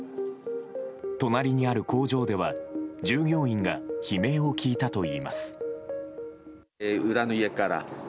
隣にある工場では従業員が悲鳴を聞いたといいます。